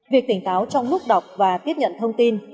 việc tỉnh táo trong lúc đọc và tiếp nhận thông tin